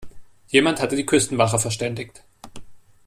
Jemand hatte die Küstenwache verständigt.